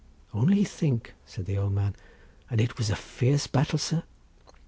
"Only think," said the old man, "and it was a fierce battle, sir?"